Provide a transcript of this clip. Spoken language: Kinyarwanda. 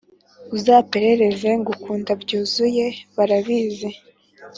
uzapererezengukunda byuzuye barabizi